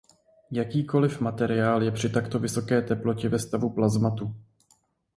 Jakýkoliv materiál je při takto vysoké teplotě ve stavu plazmatu.